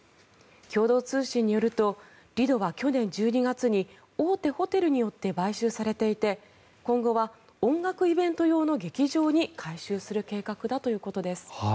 共同通信によるとリドは去年１２月に大手ホテルによって買収されていて今後は音楽イベント用の劇場に改修する計画だということです。